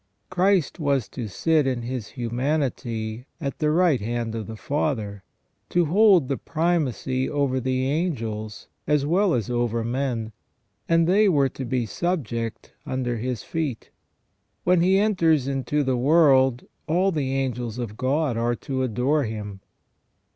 Christ was to sit in His humanity at the right hand of the Father, to hold the primacy over the angels as well as over men, and they were to be subject under His feet. When He enters into' the world, all the angels of God are to adore Him.